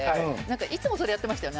いつもそれやってましたよね。